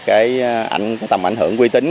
cái tầm ảnh hưởng quy tính